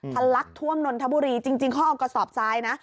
ทัลลักษณ์ท่วมนทบุรีจริงข้อออกกระสอบซ้ายนะ